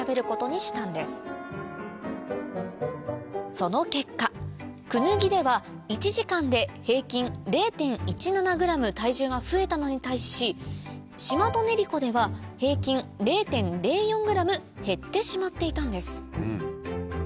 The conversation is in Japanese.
その結果クヌギでは１時間で平均０．１７ｇ体重が増えたのに対しシマトネリコでは平均０．０４ｇ減ってしまっていたんです